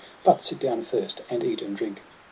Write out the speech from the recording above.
but sit down first, and eat and drink.'